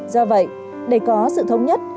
do vậy để có sự thống nhất